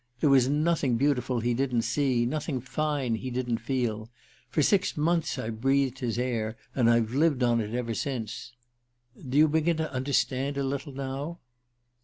There was nothing beautiful he didn't see, nothing fine he didn't feel. For six months I breathed his air, and I've lived on it ever since. Do you begin to understand a little now?"